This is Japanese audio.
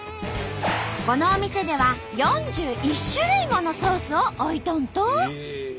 このお店では４１種類ものソースを置いとんと！